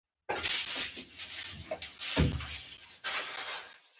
غول د ککړ خوړو غږ دی.